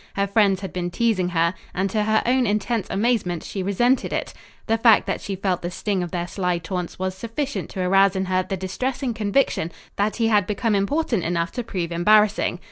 Her friends had been teasing her; and, to her own intense amazement, she resented it. The fact that she felt the sting of their sly taunts was sufficient to arouse in her the distressing conviction that he had become important enough to prove embarrassing.